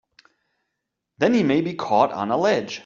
Then he may be caught on a ledge!